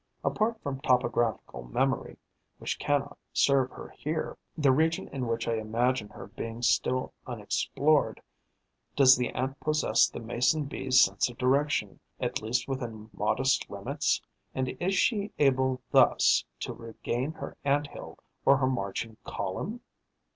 Apart from topographical memory, which cannot serve her here, the region in which I imagine her being still unexplored, does the Ant possess the Mason bee's sense of direction, at least within modest limits, and is she able thus to regain her Ant hill or her marching column?